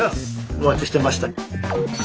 お待ちしてました。